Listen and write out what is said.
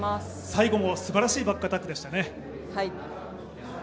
最後もすばらしいバックアタックでしたね。